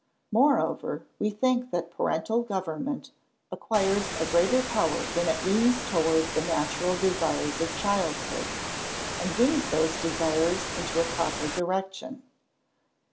] Moreover, we think that parental government acquires a greater power when it leans towards the natural desires of childhood, and wins those desires into a proper direction.